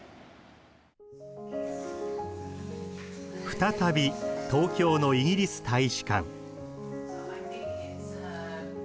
再び東京のイギリス大使館。